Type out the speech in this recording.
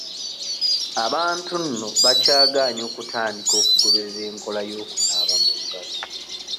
Abantu nno bakyagaanye okutandika okugoberera enkola y'okunaaba mu ngalo.